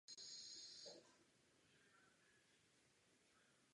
Tento Parlament se také vyslovil pro snížení limitu pro pomoc.